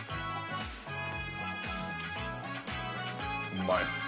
うまい。